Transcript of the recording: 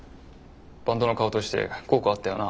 バンドの顔として効果あったよな。